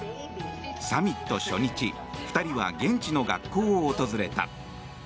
サミット初日２人は現地の学校を訪れた。